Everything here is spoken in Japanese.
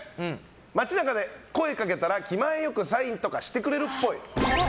街中で声掛けたら気前よくサインとかしてくれるっぽい。